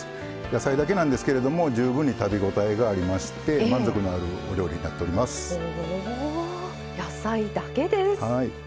野菜だけなんですけれども十分に食べ応えがありまして満足のあるお料理になっています。